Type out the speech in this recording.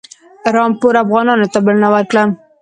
رامپور افغانانو ته بلنه ورکړه.